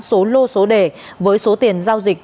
số lô số đề với số tiền giao dịch